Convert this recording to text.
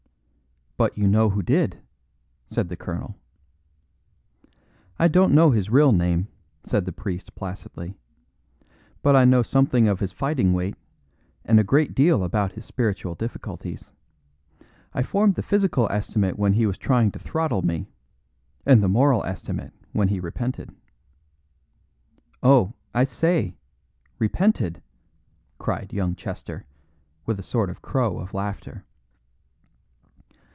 "But you know who did," said the, colonel. "I don't know his real name," said the priest placidly, "but I know something of his fighting weight, and a great deal about his spiritual difficulties. I formed the physical estimate when he was trying to throttle me, and the moral estimate when he repented." "Oh, I say repented!" cried young Chester, with a sort of crow of laughter.